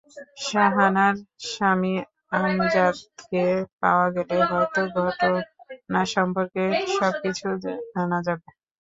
শাহানার স্বামী আমজাদকে পাওয়া গেলে হয়তো ঘটনা সম্পর্কে সবকিছু জানা যাবে।